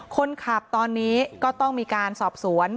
คนขับตอนนี้ก็ต้องมีการสอบสวน